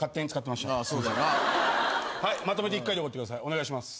お願いします。